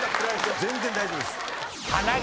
全然大丈夫です。